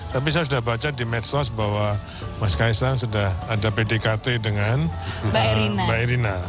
tapi saya sudah baca di medsos bahwa mas kaisang sudah ada pdkt dengan mbak irina